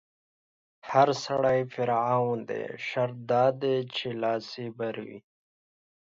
هر سړی فرعون دی، شرط دا دی چې لاس يې بر وي